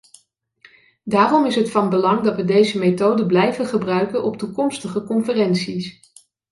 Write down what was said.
Daarom is het van belang dat we deze methode blijven gebruiken op toekomstige conferenties.